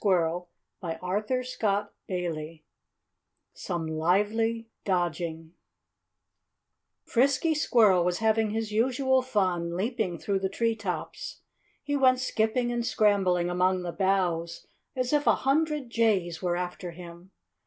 [Illustration: "The Picnic"] V Some Lively Dodging Frisky Squirrel was having his usual fun, leaping through the tree tops. He went skipping and scrambling among the boughs as if a hundred jays were after him.